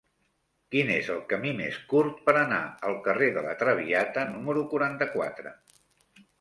Quin és el camí més curt per anar al carrer de La Traviata número quaranta-quatre?